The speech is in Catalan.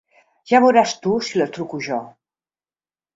Ja veuràs tu si la truco jo.